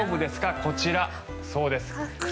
こちら、そうです。